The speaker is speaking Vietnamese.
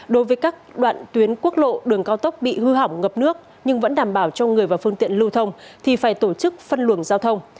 đối với các đoạn tuyến quốc lộ đường cao tốc bị hư hỏng ngập nước nhưng vẫn đảm bảo cho người và phương tiện lưu thông thì phải tổ chức phân luồng giao thông